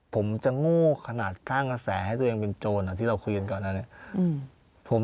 ผมจะโง่ขนาดสร้างกระแสให้ตัวเองเป็นโจรที่เราคุยกันก่อนนะเนี่ย